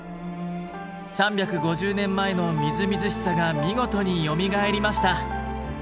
３５０年前のみずみずしさが見事によみがえりました。